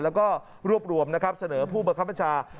แล้วก็รวบรวมเสนอผู้บัญชา